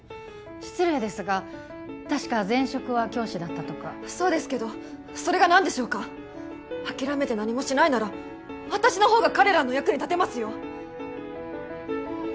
失礼ですが確か前職は教師だったとかそうですけどそれが何でしょうか諦めて何もしないなら私のほうが彼らの役に立てますよ１００８